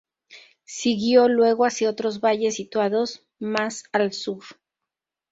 Siguió luego hacia otros valles situados más al sur.